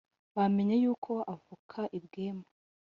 bamenye yuko uvuka i bwema.